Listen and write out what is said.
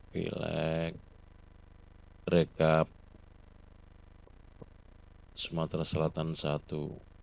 pileg rekap sumatera selatan i